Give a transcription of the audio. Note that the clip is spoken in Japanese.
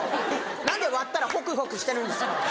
何で割ったらホクホクしてるんですか。